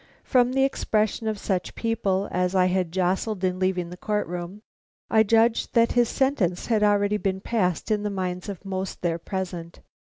From the expression of such people as I had jostled in leaving the court room, I judged that his sentence had already been passed in the minds of most there present.